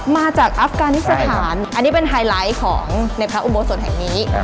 มาจากอัฟกานิสถานอันนี้เป็นไฮไลท์ของในพระอุโบสถแห่งนี้